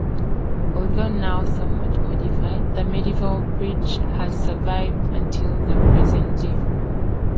Although now somewhat modified, the medieval bridge has survived until the present day.